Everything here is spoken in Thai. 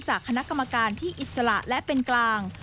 จากคณะกรรมการที่อิสระและเป็นกลาง